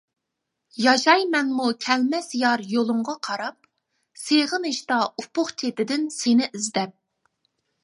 ياشايمەنمۇ كەلمەس يار يولۇڭغا قاراپ، سېغىنىشتا ئۇپۇق چېتىدىن سېنى ئىزدەپ.